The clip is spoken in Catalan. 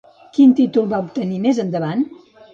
Quin títol va obtenir més endavant?